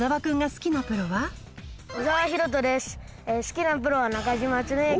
好きなプロは中嶋常幸